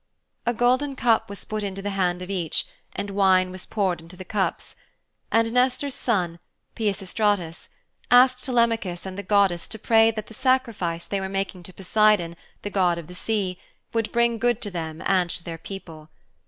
A golden cup was put into the hand of each and wine was poured into the cups, and Nestor's son, Peisistratus, asked Telemachus and the goddess to pray that the sacrifice they were making to Poseidon, the god of the sea, would bring good to them and to their people.